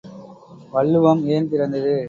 வள்ளுவம் ஏன் பிறந்தது?